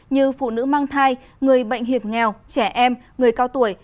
như phụ nữ mang thai người bệnh hiệp nghèo trẻ em người cao tuổi